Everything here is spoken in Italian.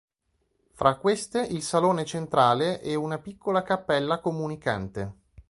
Fra queste il salone centrale e una piccola cappella comunicante.